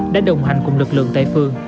đã đồng hành cùng lực lượng tại phường